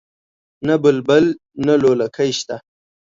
نه بلبل نه لولکۍ شته